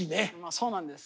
そうなんです。